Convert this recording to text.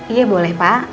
iya boleh pak